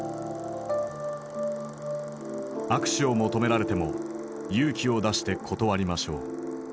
「握手を求められても勇気を出して断りましょう。